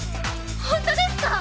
本当ですか！？